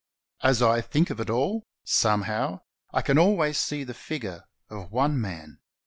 As I think of it all, somehow I can always see the figure of one man.